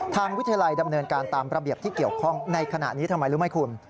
ทางวิทยาลัยดำเนินการตามระเบียบที่เกี่ยวข้องในขณะนี้ทำไมรู้ไหมคุณ